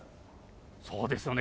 そうですよね。